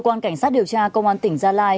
quan cảnh sát điều tra công an tỉnh gia lai